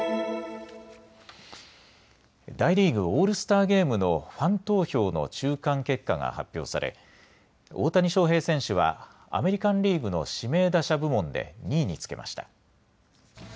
大リーグ・オールスターゲームのファン投票の中間結果が発表され大谷翔平選手はアメリカンリーグの指名打者部門で２位につけました。